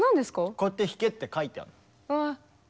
こうやって弾けって書いてある。